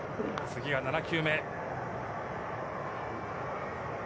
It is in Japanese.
次は７球目。